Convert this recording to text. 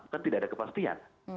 kan tidak ada kepastian